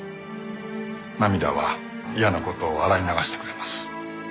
涙は嫌な事を洗い流してくれます。